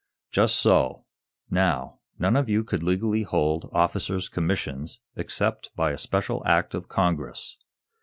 "Just so. Now, none of you could legally bold officers' commissions, except by a special act of Congress.